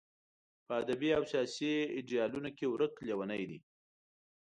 په ادبي او سیاسي ایډیالونو ورک لېونی دی.